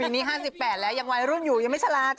ทีนี้๕๘แล้วยังวัยรุ่นอยู่ยังไม่ชะลาจ้